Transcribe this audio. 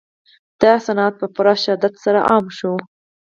دا صنعت په پوره شدت سره عام شو